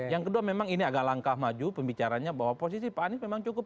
yang kedua memang ini agak langkah maju pembicaranya bahwa posisi pak anies memang cukup